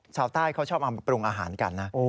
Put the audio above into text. ชาวใต้เขาชอบเอามาปรุงอาหารกันนะ